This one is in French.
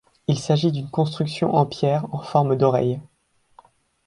Il s'agit d'une construction en pierre en forme d'oreille.